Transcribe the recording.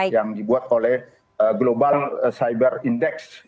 yang dibuat oleh global cyber index